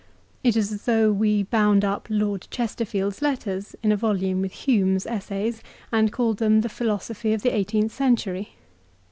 It is as though we bound up Lord Chesterfield's letters in a volume with Hume's essays, and called them the philosophy of the eighteenth century.